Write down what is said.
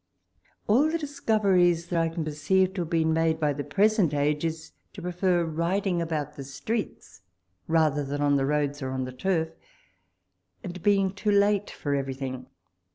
All the discoveries that I can per ceive to have been made by the present age, is to prefer riding about the streets rather than on the roads or on the turf, and being too late for everything.